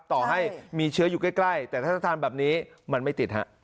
ต่อให้มีเชื้ออยู่ใกล้แต่ถ้าทานแบบนี้มันไม่ติดฮะ